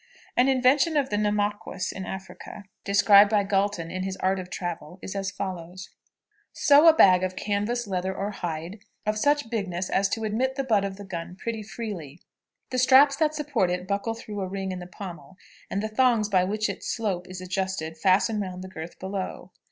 An invention of the Namaquas, in Africa, described by Galton in his Art of Travel, is as follows: "Sew a bag of canvas, leather, or hide, of such bigness as to admit the butt of the gun pretty freely. The straps that support it buckle through a ring in the pommel, and the thongs by which its slope is adjusted fasten round the girth below.